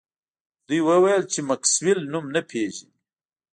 دوی وویل چې میکسویل نوم نه پیژني